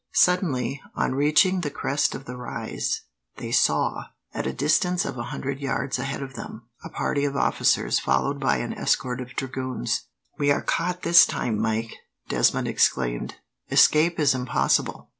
Suddenly, on reaching the crest of the rise, they saw, at a distance of a hundred yards ahead of them, a party of officers, followed by an escort of dragoons. "We are caught this time, Mike!" Desmond exclaimed. "Escape is impossible.